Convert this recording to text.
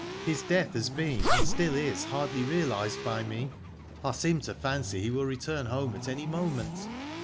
His death has been and still is hardly realised by me. I seem to fancy he will return home at any moment.''